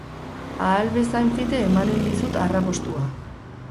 Ahal bezain fite emanen dizut arrapostua.